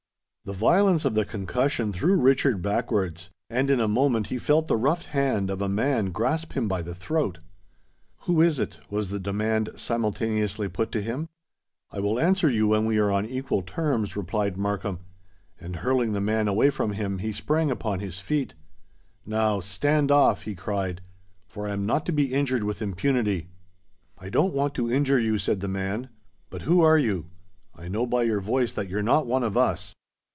The violence of the concussion threw Richard backwards; and in a moment he felt the rough hand of a man grasp him by the throat. "Who is it?" was the demand simultaneously put to him. "I will answer you when we are on equal terms," replied Markham; and, hurling the man away from him, he sprang upon his feet. "Now—stand off," he cried; "for I am not to be injured with impunity." "I don't want to injure you," said the man. "But who are you? I know by your voice that you're not one of us."